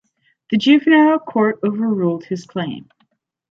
The juvenile court overruled his claim.